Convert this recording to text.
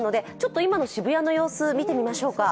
今の渋谷の様子を見てみましょうか。